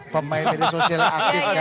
pemain media sosial yang aktif kan